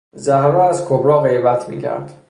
زهرا از کبرا غیبت میکرد.